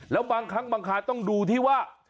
แล้วบางครั้งบางคราวต้องดูที่ว่า